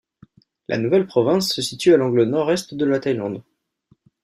La nouvelle province se situe à l'angle nord-est de la Thaïlande.